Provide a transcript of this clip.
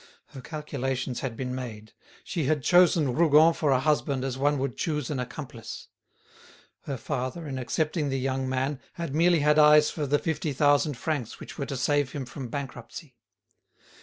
Her calculations had been made; she had chosen Rougon for a husband as one would choose an accomplice. Her father, in accepting the young man, had merely had eyes for the fifty thousand francs which were to save him from bankruptcy.